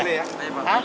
boleh ya boleh ya